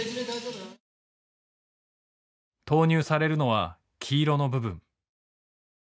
投入されるのは黄色の部分。